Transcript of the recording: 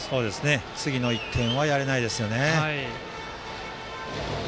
次の１点はやれないですよね。